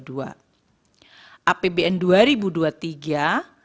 apbn dua ribu dua puluh tiga